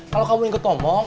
kalau kamu ingin ketomong